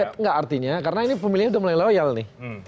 tidak artinya karena ini pemilihnya sudah mulai loyal nih